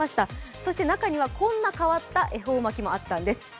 そして中にはこんな変わった恵方巻もあったんです。